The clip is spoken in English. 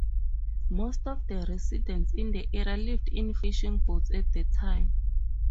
Most of the residents in the area lived in fishing boats at the time.